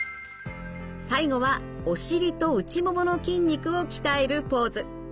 最後はお尻と内ももの筋肉を鍛えるポーズ。